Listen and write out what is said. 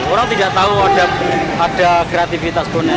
orang tidak tahu ada kreativitas bonek